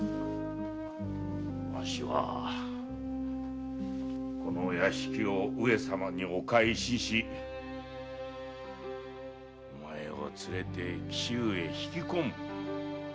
わしはこの屋敷を上様にお返ししお前を連れて紀州へ引っ込む。